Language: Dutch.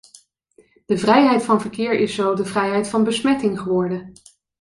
De vrijheid van verkeer is zo de vrijheid van besmetting geworden.